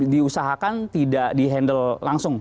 diusahakan tidak di handle langsung